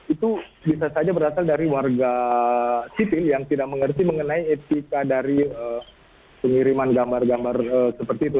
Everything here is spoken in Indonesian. itu bisa saja berasal dari warga sipil yang tidak mengerti mengenai etika dari pengiriman gambar gambar seperti itu